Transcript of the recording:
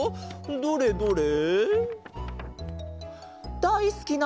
どれどれ？